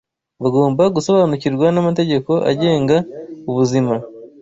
bagomba gusobanukirwa n’amategeko agenga ubuzima